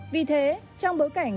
vì thế trong bối cảnh